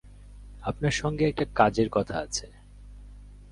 আপনার সঙ্গে একটা কাজের কথা আছে।